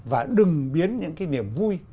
và đừng biến những cái niềm vui